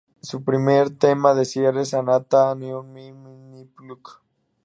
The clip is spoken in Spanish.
Su primer tema de cierre es "Anata no O Mimi ni Plug In!